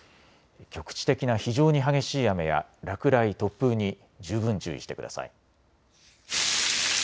局地的な非常に激しい雨や落雷、突風に十分注意してください。